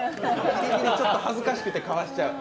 ギリギリ、ちょっと恥ずかしくてかわしちゃう。